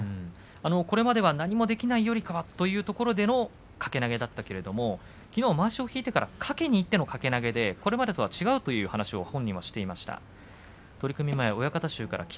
これまでは何もできないよりかというところでの掛け投げがあったけれどもきのうはまわしを引いてからかけにいっての掛け投げでこれまでとは違うという話を本人はしていました。